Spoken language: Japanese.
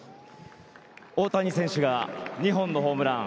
大谷選手が２本のホームラン。